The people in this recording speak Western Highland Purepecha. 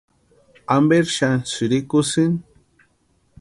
¿Amperi xani sïrikusïni?